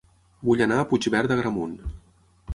Vull anar a Puigverd d'Agramunt